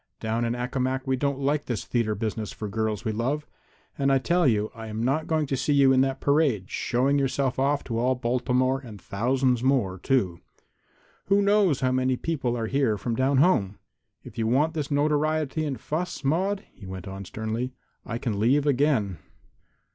"Down in Accomac we don't like this theatre business for girls we love, and I tell you I am not going to see you in that parade, showing yourself off to all Baltimore and thousands more, too. Who knows how many people are here from down home? If you want this notoriety and fuss, Maude," he went on sternly, "I can leave again."